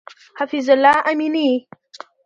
حفیظ الله امینی